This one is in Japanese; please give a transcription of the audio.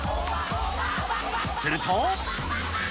すると。